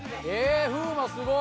風磨すごい！